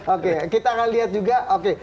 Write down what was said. oke kita akan lihat juga oke